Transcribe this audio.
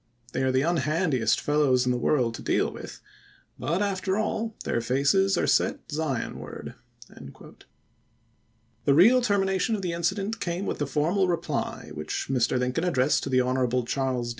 They are the unhandiest fellows in the world to deal with; but after all Dia^y. their faces are set Zionward." The real termina tion of the incident came with the foimal reply which Mr. Lincoln addressed to Hon. Charles D.